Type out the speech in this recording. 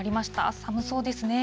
寒そうですね。